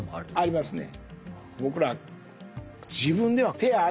ありますね。